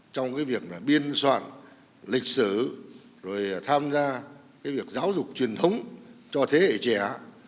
trong việc biên soạn lịch sử tham gia giáo dục truyền thống cho thế hệ trẻ